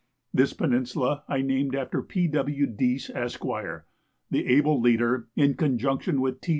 This peninsula I named after P. W. Dease, Esq., the able leader, in conjunction with T.